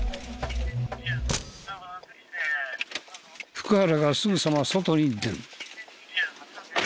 福原がすぐさま外に出る。